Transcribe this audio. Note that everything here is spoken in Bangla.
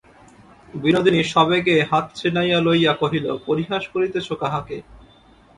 বিনোদিনী সবেগে হাত ছিনাইয়া লইয়া কহিল, পরিহাস করিতেছ কাহাকে।